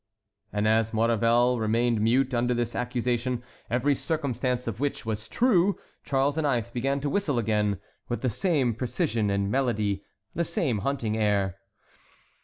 And as Maurevel remained mute under this accusation, every circumstance of which was true, Charles IX. began to whistle again, with the same precision and melody, the same hunting air.